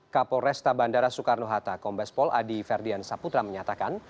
kapolresta bandara soekarno hatta kombespol adi ferdian saputra menyatakan